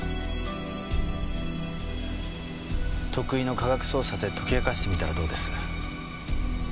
得意の科学捜査で解き明かしてみたらどうです？